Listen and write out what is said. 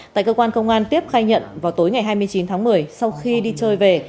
tại cơ quan công an tiếp khai nhận vào tối ngày hai mươi chín tháng một mươi sau khi đi chơi về